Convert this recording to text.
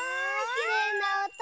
きれいなおと！